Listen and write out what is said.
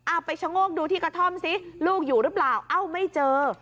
เอาไปชะโงกดูที่กระท่อมสิลูกอยู่หรือเปล่าเอ้าไม่เจอ